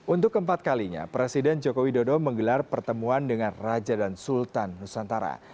untuk keempat kalinya presiden jokowi dodo menggelar pertemuan dengan raja dan sultan senusantara